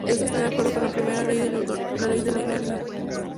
Esto está de acuerdo con la primera ley de Newton: la ley de inercia.